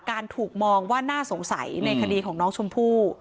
การถูกมองว่าน่าสงสัยในคดีของน้องชมพู่